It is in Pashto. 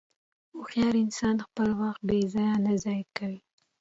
هوښیار انسان خپل وخت بېځایه نه ضایع کوي.